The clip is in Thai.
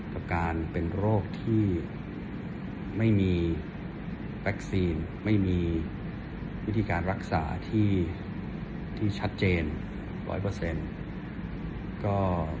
อาการเป็นโรคที่ไม่มีแป๊กซีนไม่มีวิธีการรักษาที่ชัดเจนร้อยเปอร์เซ็นต์